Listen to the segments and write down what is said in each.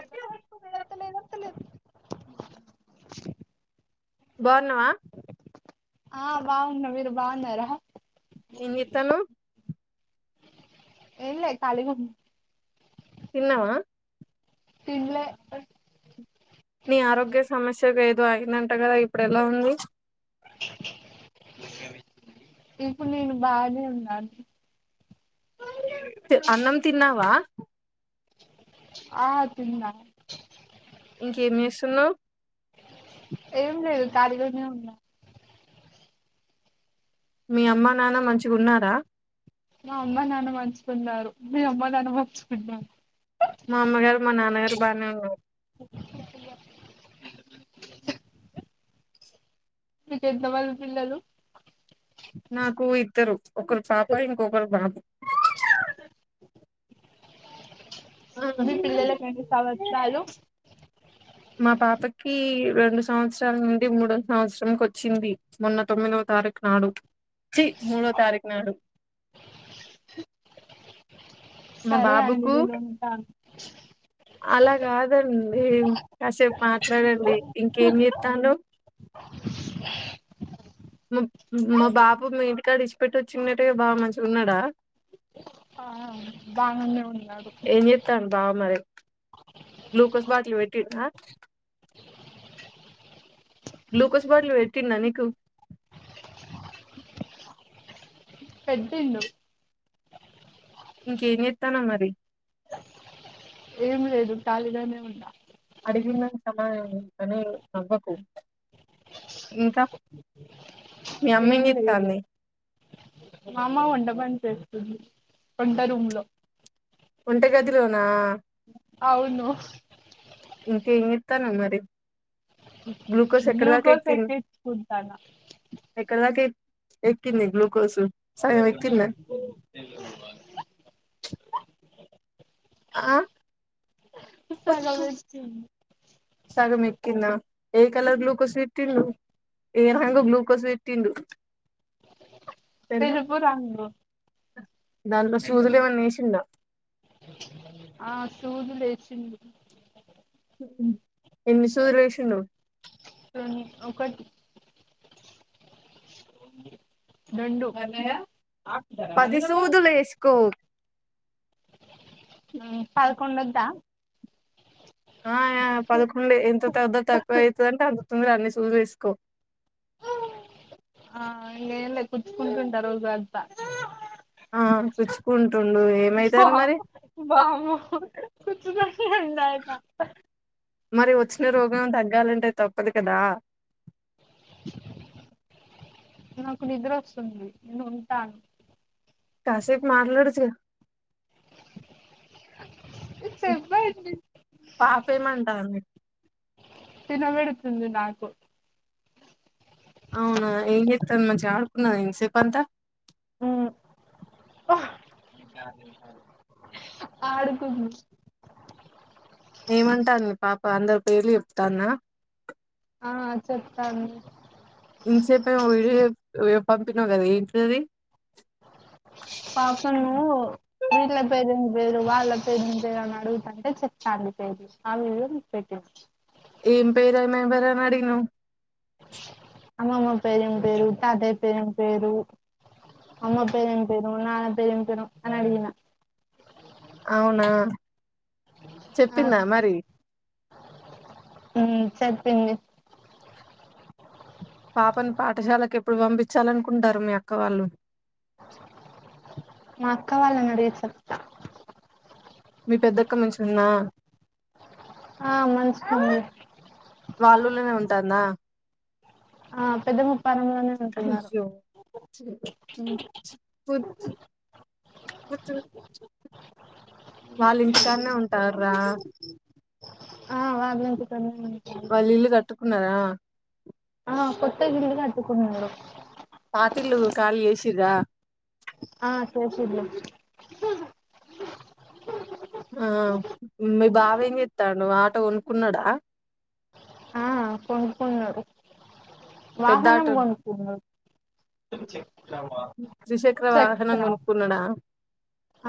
ఇలే ఇరులే బాగున్నావా [unintelligible] ఆ బాగున్నా. మీరు బాగున్నారా? ఏం జేత్తాన్నావ్ ఏం లే ఖాళీ గా ఉన్నా తిన్నావా? తినలే నీ ఆరోగ్య సమస్య ఏదో అయిందంట కదా, ఇప్పుడు ఎలా ఉంది? ఏమైంది. ఇప్పుడు నేను బానే ఉన్నాను. అన్నం తిన్నావా? ఆ తిన్నా. ఇంకేం చేస్తున్నావు ఏం లేదు ఖాళీగానే ఉన్నా. మీ అమ్మా, నాన్న మంచిగా ఉన్నారా? మా అమ్మ నాన్న మంచిగా ఉన్నారు? మీ అమ్మ నాన్న మంచిగా ఉన్నారా? మా అమ్మగారు మా నాన్నగారు బానే ఉన్నారు. మీకు ఎంతమంది పిల్లలు? నాకు ఇద్దరు ఒకరు పాప, ఇంకొకరు బాబు. మీ పిల్లల కెన్ని సంవత్సరాలు? మా పాపకి రెండు సంవత్సరాల నుండి మూడో సంవత్సరంలోకి వచ్చింది మొన్న తొమ్మిదవ తారీఖు నాడు. చీ మూడో తారీఖు నాడు. మా సరే అండి బాబుకు నేను ఉంటాను. అలా కాదండి కాసేపు మాట్లాడండి ఇంకేం చేస్తాన్నావ్. [unintelligible] మా బాబు మీ ఇంటికాడ ఇడిచిపెట్టి వచ్చినట మంచిగున్నాడా? ఆ బాగానే ఉన్నాడు. గ్లూకస్ బాటిల్ పెట్టిర్ ఆ గ్లూకోస్ బాట్లు పెట్టిన్నా నీకు పెట్టిండు ఇంకేం చేస్తానావ్ మరి ఏం లేదు ఖాళీగానే ఉన్నా. సరే నవ్వకు ఇంకా మీ అమ్మ ఏం చేస్తాంది? మామ వంట పని చేస్తుంది వంట రూమ్ లో. వంట గదిలోనా? అవును ఇంకా ఏంజేస్తాన్నావ్ మరి? గ్లూకోస్ ఎక్కడదాక గ్లూకోస్ ఎక్కింది. ఎక్కించుకుంటానా ఎక్కంది గ్లూకోస్ అ [unintelligible] ఆ సగమే ఎక్కింది. సగమెక్కిందా? ఏ కలర్ గ్లూకోస్ పెట్టిరు. ఏ రంగు గ్లూకోస్ పెట్టిరు. తెలుపు రంగు దాంట్లో సూదులు ఏమన్నా యేసిండ్రా. ఆ సూదులేసిండ్రు ఎన్ని సూదులేసిండ్రు? రెం ఒకటి రెండు పడ్డాయా పది సూదులు వేసుకో పదకొండొద్ద ఆ పదకొండే ఎంత తద్ద తక్కువ అవుతదంటే అంత తొందర అన్ని సూదులు వేసుకో ఆ ఇగేంలే కుచుకుంటుంటా రోజు అంత ఆ గుచ్చుకుంటుండు ఏమైతాది బమ్ మరి వామ్మో గుచ్చుకుంటుండు ఆయన మరి వచ్చిన రోగం తగ్గాలంటే తప్పది కదా నాకు నిద్ర వస్తుంది నేను ఉంటాను కాసేపు మాట్లాడొచ్చుగా ఇ బయ పాప ఏమంటాంది [inaudible] దినబెడుతుందు నాకు అవునా ఏంచేత్తంది మంచిగా ఆడుకున్నద ఇంతసేపు అంతా ఓహ్ ఆడుకు ఏమంటాంది పాప అందరి పేర్లు చెప్తాందా ఆ చెప్పండి ఇంతసేపు ఏమో వీడియో చెప్ పంపినవ్ కదా ఏంటిది పాప ను వీట్ల బెదిరించి బెది వాళ్ళ పేరు నుంచిని అడుగుతుంటే చెప్తాంది పేరు అ విడియో పెట్టి ఏం పేరమే ఎవ్వరని అడిగినవ్ అమ్మమ్మ పేరేంపేరు తాతయ్య పేరంపేరు అమ్మా పేరేం పేరు నాన్న పేరు ఏం పేరు అని అడిగిిన అవునా చెప్పిందా మరి మ్ చెప్పింది పాపని పాఠశాలకు ఎప్పుడు పంపిచాలనుకుంటాల్లు మీ అక్క వాళ్ళు క్కవాలానడిగి చెప్తా మీ పెద్దక్క మంచిగ ఉన్నా ఆ మంచిగుంది వాళ్ళుల్లనే ఉంటంద ఆ పెద్ద ముప్పరంలోనే ఉంటున్నారు వోచి వోచిని వాళ్ళు ఇంటికనే ఉంటర్రా ఆ వాళ్ళ ఇంటికాడనే ఉంటున్నారు వాళ్ళు ఇల్లు కట్టుకున్నారా ఆ కొత్త గిల్లు కటుకున్నరు పాతిల్లు ఖాళీ చేసిర్రా ఆ చేసిల్లు ఆ మీ బావేం చెత్తండు ఆటో కొనుకున్నడా ఆ కొనుకున్నడు పెద్ద వాహనం ఆటో కొనుకున్నడు త్రిచక్ర వాహనం చెప్తనాగు కొనుక్కున్నాడా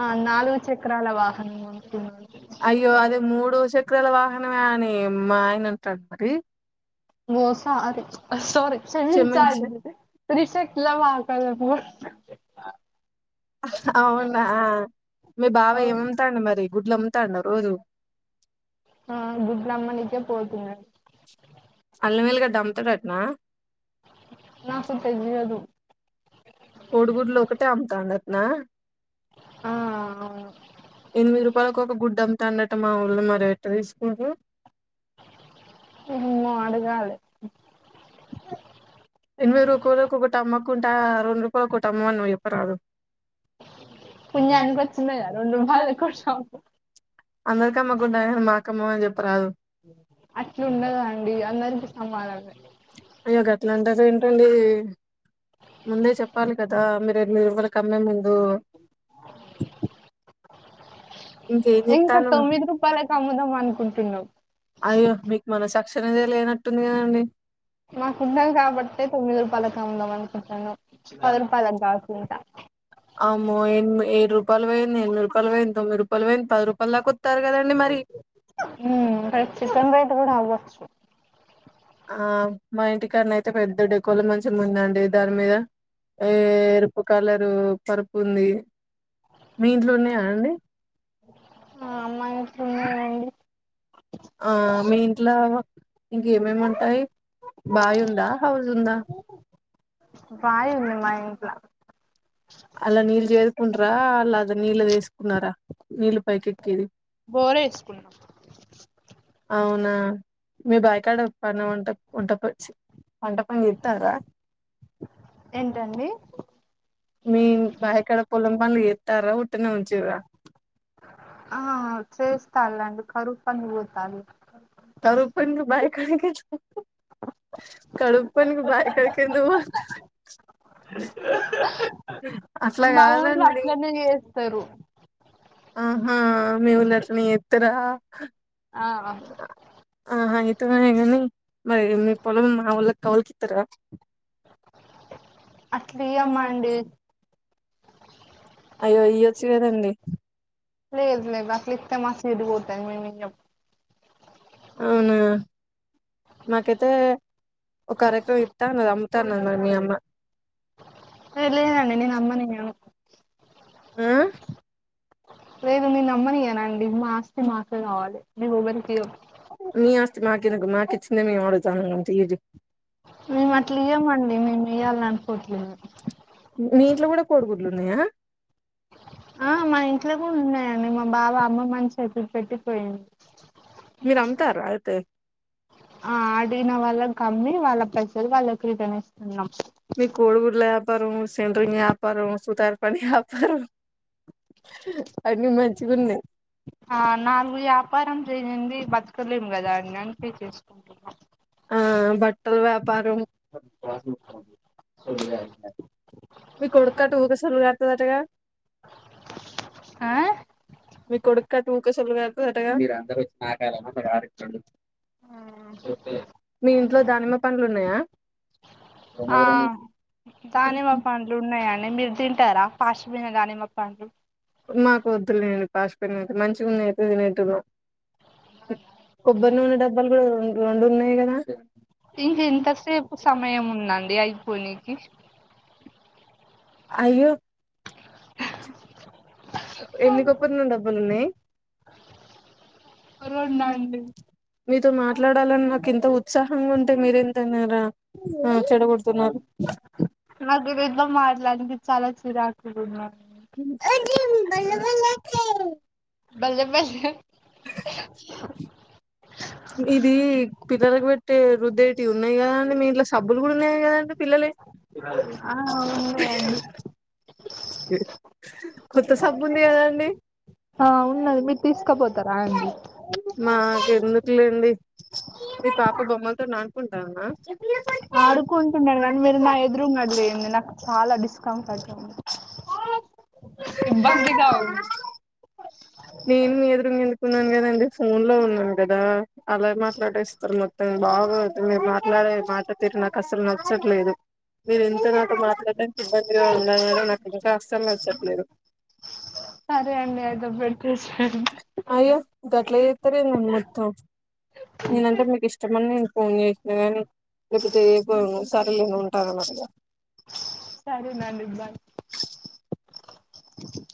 ఆ నాలుగు చక్రాల వాహనంగొనుకున్నాడు అయ్యో అదే మూడు చక్రాల వాహనమే అని మా ఆయన అంటాడు మరి ఓ సార సార చ క్షమించ రిషక్లా మాల ఆ అవునా మీ బావ ఏమమ్ముతండు మరి గుడ్లు అమ్ముతాండ రోజు ఆ గుడ్లమ్మనికే పోతున్నడు అల్లమెల్లిగడ్డ అమ్ముతాడటనా నాకు తెలియదు కోడిగుడ్లు ఒకటే అమ్తాండట నా ఆ అవును ఎనిమిది రూపాయలకు ఒక గుడ్డ డట మా ఊళ్ళో మరి ఎట తీసుకుంటరు ఎమ్మో అడగాలే ఎనమిది రూపాయలకొకటి అమ్మకుంటా రెండు రూపాయలు ఒకటి అమ్మమని నువ్ చెప్ప రాదు పుణ్యానికి వచ్చింది కదా రెండు రూపాయలు ఎక్కువ షాపు అందరికమాకుంటమాయే గని మా కమ్మమని చెప్పరాదు అట్లుండద అండి అందరికీ సమానమే అయ్యో గట్లా అంట ఏంటండి ముందే చెప్పాలి కదా మీరు ఎ రూపాయలకి అమ్మే ముందు ఇంకేం ఇంకా జేత్తాన్నవు? తొమ్మిది రూపాయలకి అమ్ముదాం అనుకుంటున్నా్ అయ్యో మీకు మన చక్షరదే లేనట్టుంది కదండి మాకుంటం కాబట్టి తొమ్మిది రూపాయలు తముందాం అనుకుంటున్నాను పది రూపాయలకు కాకుండా అమో ఎ ఏడు రూపాయలు పోేయింది ఎ రూపాయలు పోయింది తొంమిై రూపాయలు పోయింది పది రూపాయలలాక వస్తారు కదండి మరి చికన్ బతే కూడా హ వచ్చు ఆ మా ఇంటికన్నా అయితే పెద్దడు ఎ కోళ మంచిగా ముందండి దాని మీద ఏ ఎరుపు కలరు పరుపు ఉంది మీ ఇంట్లో ఉన్నాయా అండి ఆ అమ్మా ఆ మీ ఇంట్లో ఇంకేమేమింటాయి బావి్ ఉందా హౌస్్ ఉందా వయి ఉంది మాయట్లా అలా నీళ్ళు చేరుకుంటరా అలా అ నీళ్ళ వేసుకున్నారా నీళ్ళ పైకెక్కేది బోర వేసుకున్నాం అవునా మీ బాయకాడ పడిన వంట ఉంటపచ్చు పంటపని ఇతారా ఏంటండి మీ బయకాడ పోలం పని ఎతార ఉటన ఉంచిరా ఆ చేస్తాండి కరుపని పోతాలి తర ప బయ కానికి చ కడప బాయ కడకంద అట్లా బాబఊలు కాదండి అట్లనే చేస్తారు ఆహా మేవులట్ని ఇత్తరా ఆ ఆ అయితే కానీ మరి మీ పొలం మాఊళ్ళ కౌల్కితార అట్లు అమ్మా అండి అయ్యో అయ్యొచ్చు కదండి లేదు లే అలే ఇతే మాస ఇది పోతయి మ అవునా మాకైతే ఒక అార ఎక్రమ ఇతా అది అమ్ముతాన్నా మీ అమ్మ ఆ ఆ లేదు మీ నమ్మనియనండి మాస్తి మాకే కావాలి మీ ఒబరికి మీ అస్తతి మాకి నాకు మాకకి చిన్న మీ వాడుతుానది మేము అట్లా ఇయ్వమండి మేము ఇయ్వాలని అనుకోవట్లేదు మీ ఇంట్లో కూడా కోడిగుడ్లు ఉన్నాయా ఆ మా ఇంట్లో కూడా ఉన్నాయండి మా బాబా అమ్మ మన చేతులు పెట్టిపోయింది మీరమతారతే ఆ ఆడిగిన వాళ్ళకి కమ్మి వాళ్ళ ప్రజలు వాళ్ళకి రిటర్న్ ఇస్తున్నాం మీ కోడు ఊర్ల ఆయాపారం సెండరింగ ఆయాపారం సుతారు పని ఆపారం ఆ నాలుగు ఆపారం చేడి బతుకలేం కదా అండి అని పే చేసుకుంటు ఆ బట్టల వ్యాపారం మీ కొడుక్కట్టు ఊకసలు కతుందటగా ఆ మీ కొడుకుట్ట ముక్కసలు కా అగా మీ ఇంట్లో దానిమ్మ పండ్లు ఉన్నాయా ఆ దానిమ్మ పండ్లు ఉన్నాయం నే మీరు తింటారా పాషి పోయిన దానిమ్మ పండ్లు మాకు వద్దు లేండి పాషి పోయినవి అయితే మంచిగా ఉన్న అయితే తినేటోల్లం కొబ్బరి నూనె డబ్బాలు కూడాం రెండు ఉన్నాయి కదా ఇంక ఎంతసేపు సమయం ఉందండి అయిపోనీనికి అయ్యో ఎన్ని ఏది నూనె డబ్బాలు కొబ్బరి ఉన్నాయి నూనె అయ్యిపోయింది రొండు అండి మీతో మాట్లాడాలని నాకు ఎంత ఉత్సాహంగా ఉంటే మీరేంతన్నరా ఆ చెడగడుతున్నారు నాకు గిరి తో మాట్లాడినికి చాలా చిరాకు గా ఉన్నది అది బల్ బ బల్లె బల్లె ఇది పిల్లలకు పెట్టే రుద్దేటి ఉన్నాయి కదా అండి మీ ఇంట్ల సబ్బులు కూడా ఉన్నాయి కదండి పిల్లలలై అ కొత్త సబ్బు ఉంది కదండి ఆ ఉన్నది మీరు తీసుకుపోతార అండి మాకు ఎందుకులేండి మీ పాప బొమ్మలతోని ఆడుకుంటాందా ఆడుకుంటున్నాడు కానీ మీరు నా ఎదురుంగది లేంది నాకు చాలా డిస్కంఫర్ట్ ఉంది ఇబ్బందిగా ఉను నేను మీ ఎదురువుంగా ఎందుకున్నాను కదండి ఫోన్ లో ఉన్నాను కదా అలా మాట్లాడేస్తారు మొత్తం బాగోద్దు మీరు మాట్లాడే మాట తిరు నాకు అసలు నచ్చట్లేదు మీరు ఇంత నాతో మాట్లాడడానికి ఇబ్బందిగా ఉంది అన్నారు నాకు ఇంకా అసలు నచ్చాటులేదు లేదు పెట్టేసెండి అయ్యో గట్ల చేస్తా రండి ఏంది మొత్తం నేనంటే మీకు ఇష్టమనిన్ ఫోన్ చేసిన గానీ ఎత్తుతే చేయకపోతును సరేలే అండి ఉంటానా మరి ఇగ సరే నండి బాయ్